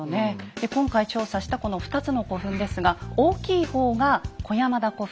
で今回調査したこの２つの古墳ですが大きい方が小山田古墳。